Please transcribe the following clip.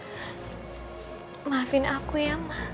aku juga sekarang bingung